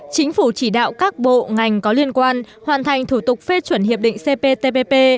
chính phủ chỉ đạo các bộ ngành có liên quan hoàn thành thủ tục phê chuẩn hiệp định cptpp